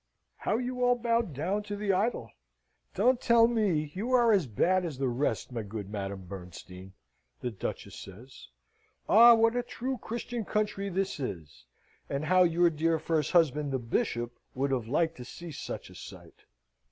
"How you all bow down to the idol! Don't tell me! You are as bad as the rest, my good Madame Bernstein!" the Duchess says. "Ah, what a true Christian country this is! and how your dear first husband, the Bishop, would have liked to see such a sight!"